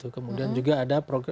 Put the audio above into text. kemudian juga ada